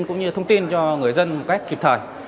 cũng như thông tin cho người dân một cách kịp thời